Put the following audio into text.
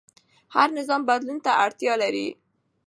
هر نظام بدلون ته اړتیا لري